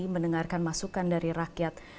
mendengarkan masukan dari rakyat